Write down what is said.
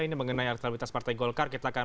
ini mengenai elektabilitas partai golkar kita akan